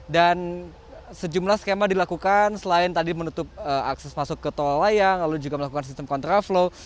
dan sejumlah skema dilakukan selain tadi menutup akses masuk ke tol layang lalu juga melakukan sistem kontraflow